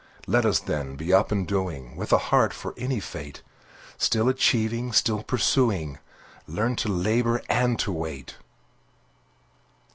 Let us, then, be up and doing, With a heart for any fate; Still achieving, still pursuing, Learn to labor and to wait.